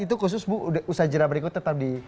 itu khusus bu udah usah jera berikut tetap di